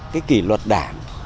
cái kỷ luật đảng